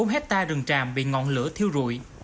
bốn hectare rừng tràm bị ngọn lửa thiêu rụi